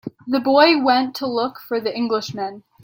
The boy went to look for the Englishman.